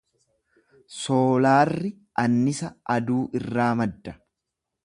Soolaarri annisa aduu irraa madda.